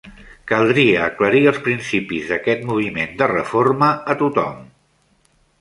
Caldria aclarir els principis d'aquest moviment de reforma a tothom.